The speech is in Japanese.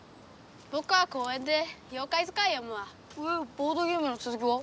ボードゲームのつづきは？